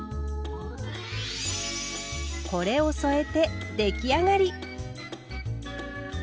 これを添えて出来上がり！